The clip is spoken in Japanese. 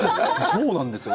そうなんですよ。